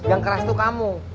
yang keras itu kamu